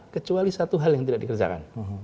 kecuali satu hal yang tidak dikerjakan